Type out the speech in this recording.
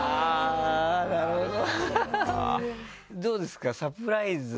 なるほど。